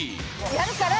やるから！